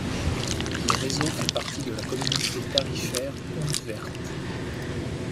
Le réseau fait partie de la communauté tarifaire Onde Verte.